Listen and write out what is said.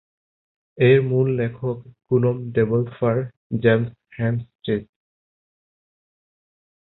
এর মূল লেখক গ্নোম ডেভেলপার জেমস হেনস্ট্রিজ।